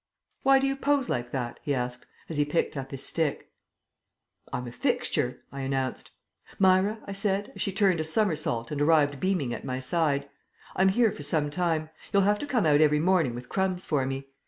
"Why do you pose like that?" he asked, as he picked up his stick. "I'm a fixture," I announced. "Myra," I said, as she turned a somersault and arrived beaming at my side, "I'm here for some time; you'll have to come out every morning with crumbs for me.